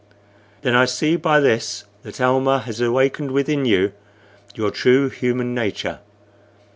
"Then I see by this that Almah has awakened within you your true human nature.